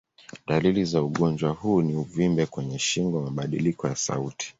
Dalili za ugonjwa huu ni uvimbe kwenye shingo, mabadiliko ya sauti.